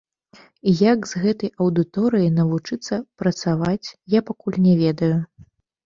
І як з гэтай аўдыторыяй навучыцца працаваць, я пакуль не ведаю.